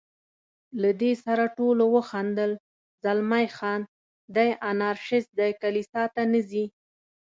له دې سره ټولو وخندل، زلمی خان: دی انارشیست دی، کلیسا ته نه ځي.